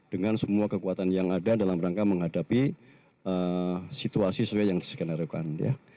dengan semua kekuatan yang ada dalam rangka menghadapi situasi yang diskenarikan